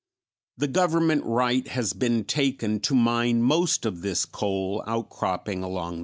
The government right has been taken to mine most of this coal outcropping along the river.